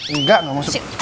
enggak gak masuk